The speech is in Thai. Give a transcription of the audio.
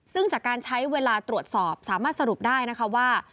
ซึ่งจากการใช้เวลาตรวจสอบสามารถสรุปได้นะคะว่า